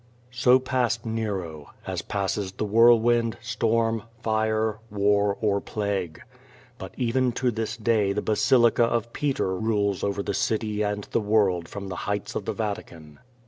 So passed Xero, as passes the whirlwind, storm, fire, war, cr plague. But even to this day the basilica of Peter rules over the city and the world from the heights of the Vatican.